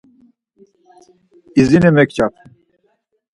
izini mepçap.